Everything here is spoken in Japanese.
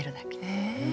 へえ。